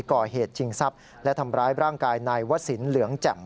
ก่อเหตุชิงทรัพย์และทำร้ายร่างกายนายวสินเหลืองแจ่ม